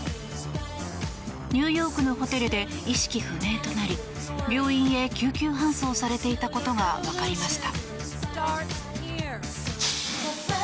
ニューヨークのホテルで意識不明となり病院へ救急搬送されていたことが分かりました。